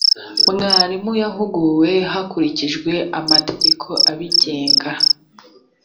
mwarimu yahuguwe hakurikijwe amategeko abigenga.